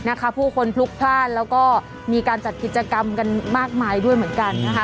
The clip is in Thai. ผู้คนพลุกพลาดแล้วก็มีการจัดกิจกรรมกันมากมายด้วยเหมือนกันนะคะ